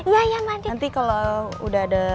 ya ya mbak andin nanti kalau udah ada